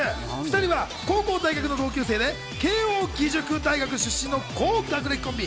２人は高校大学の同級生で慶應義塾大学出身の高学歴コンビ。